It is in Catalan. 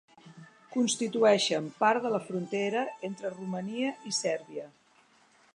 Constitueixen part de la frontera entre Romania i Sèrbia.